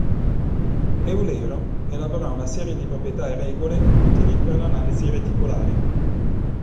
Eulero elaborò una serie di proprietà e regole utili per l'analisi reticolare.